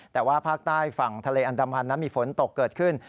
แต่ว่าภาคใต้ฝั่งทะเลอันดามันนั้นมีฝนตกเกิดขึ้น